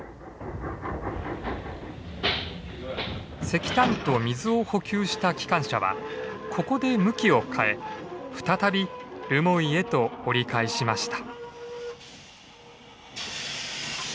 石炭と水を補給した機関車はここで向きを変え再び留萌へと折り返しました。